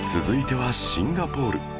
続いてはシンガポール